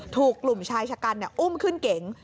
ถูกกลุ่มชายชะกันอุ้มขึ้นเก๋ง